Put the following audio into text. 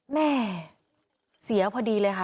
แม่เสียพอดีเลยค่ะ